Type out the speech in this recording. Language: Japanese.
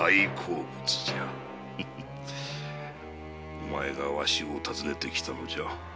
お前がわしを訪ねてきたのじゃ。